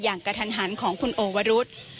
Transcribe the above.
อย่างกระทันหันของคุณโอวรุธ